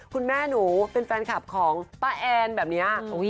คุณแม่หนูเป็นแฟนคลับของป้าแอนแบบนี้